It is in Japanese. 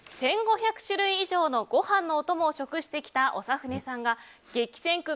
１５００種類以上のご飯のお供を食してきた長船さんが激戦区